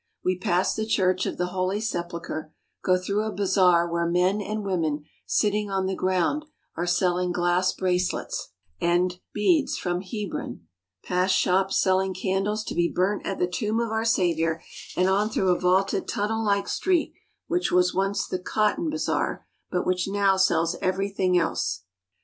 We pass the Church of the Holy Sepulchre, go through a bazaar where men and women, sitting on the ground, are selling glass brace lets and beads from Hebron, past shops selling candles to be burnt at the tomb of our Saviour, and on through a vaulted tunnel like street which was once the cotton bazaar, but which now sells everything else.